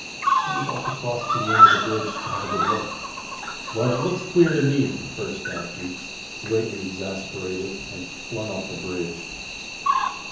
And he walked across to the end of the bridge to have a good look. "Well, it looks queer to me," burst out Jukes, greatly exasperated, and flung off the bridge.